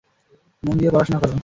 মন দিয়ে পড়াশোনা করো।